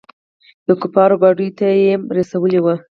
د کفارو ګاډو ته يېم رسولي وو.